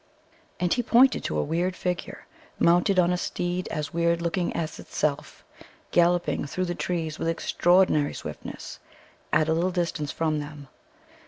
And he pointed to a weird figure, mounted on a steed as weird looking as itself, galloping through the trees with extraordinary swiftness, at a little distance from them.